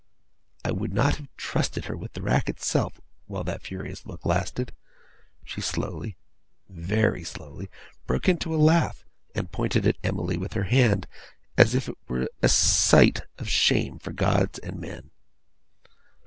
I would not have trusted her with the rack itself, while that furious look lasted. She slowly, very slowly, broke into a laugh, and pointed at Emily with her hand, as if she were a sight of shame for gods and men.